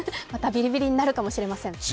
またビリビリになるかもしれません。